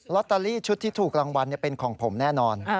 ตเตอรี่ชุดที่ถูกรางวัลเป็นของผมแน่นอน